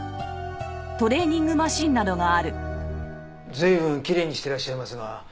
随分きれいにしていらっしゃいますが。